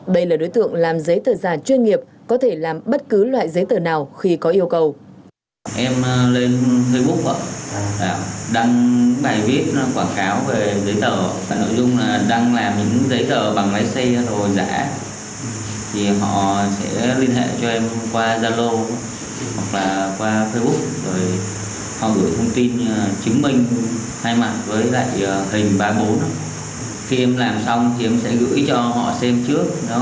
đây là đối tượng làm giấy tờ giả chuyên nghiệp có thể làm bất cứ loại giấy tờ nào khi có yêu cầu